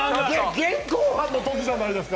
現行犯のときじゃないですか。